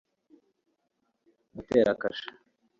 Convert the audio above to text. gutera kashe